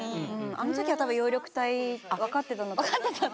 あの時は多分葉緑体分かってたんだと思う。